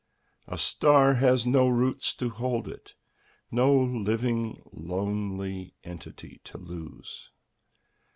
A star has do roots to hold it, No living lonely entity to lose.